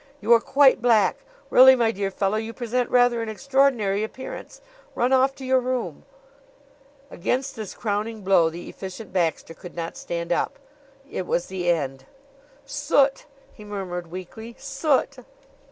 You are quite black. Really, my dear fellow, you present rather an extraordinary appearance. Run off to your room." Against this crowning blow the Efficient Baxter could not stand up. It was the end. "Soot!" he murmured weakly. "Soot!"